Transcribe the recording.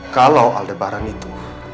kalau aldebaran itu